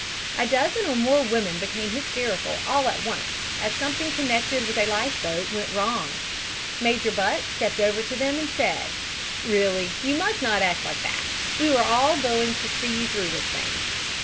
A dozen or more women became hysterical all at once, as something connected with a life boat went wrong. Major Butt stepped over to them and said: "'Really, you must not act like that; we are all going to see you through this thing.'